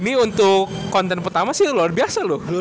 ini untuk konten pertama sih luar biasa loh